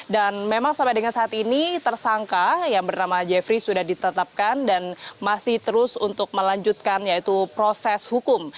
dan memang sampai dengan saat ini tersangka yang bernama jeffrey sudah ditetapkan dan masih terus untuk melanjutkan yaitu proses hukum